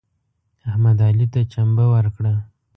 احمد علي ته چمبه ورکړه.